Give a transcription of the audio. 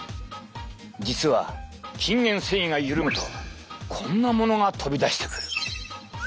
実は筋原線維が緩むとこんなものが飛び出してくる。